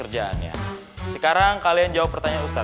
ya aku juga lapar keles